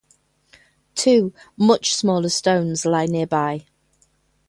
Two much smaller stones lie nearby.